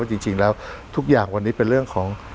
จริงแล้วทุกอย่างวันนี้เป็นเรื่องของ